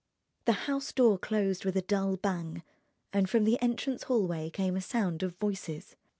The house door closed with a dull bang, and from the entrance hallway came a sound of voices.